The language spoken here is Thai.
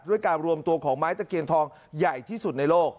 ด้วยการรวมตัวของไม้ตะเคียนทองใหญ่ที่สุดในโลก